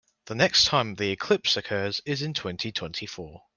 The next time the eclipse occurs is in twenty-twenty-four.